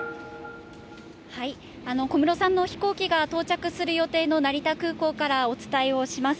小室さんの飛行機が到着する予定の成田空港からお伝えをします。